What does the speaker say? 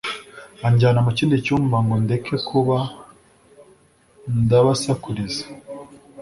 anjyana mukindi cyumba ngo ndeke kuba ndabasakuriza